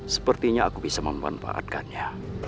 sepertinya aku bisa memanfaatkannya